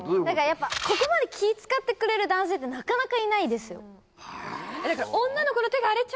何かやっぱここまで気い使ってくれる男性ってなかなかいないですよはあ？